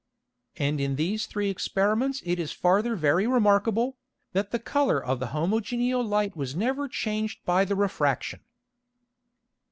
And in these three Experiments it is farther very remarkable, that the Colour of homogeneal Light was never changed by the Refraction.